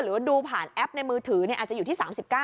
หรือว่าดูผ่านแอปในมือถืออาจจะอยู่ที่๓๙